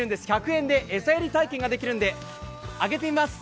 １００円で餌やり体験ができるんであげてみます。